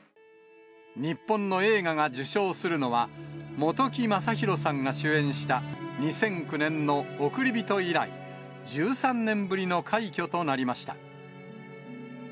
日本の映画が受賞するのは、本木雅弘さんが主演した２００９年のおくりびと以来、１３年ぶりの快挙となりました。